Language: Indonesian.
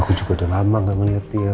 aku juga udah lama ga melihat dia